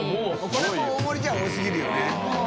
海海もう大盛りじゃ多すぎるよね。